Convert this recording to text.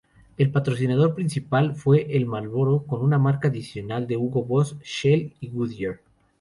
El patrocinador principal fue Marlboro con marca adicional de Hugo Boss, Shell y Goodyear.